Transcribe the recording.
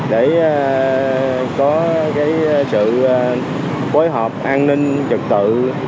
để có cái sự bối hợp an ninh trật tự